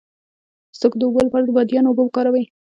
د سترګو د اوبو لپاره د بادیان اوبه وکاروئ